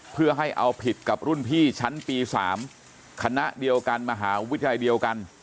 เพื่อให้เอาผิดกับรุ่นพี่ชั้นปี๓คณะเดียวกันมหาวิทยาลัยเดียวกัน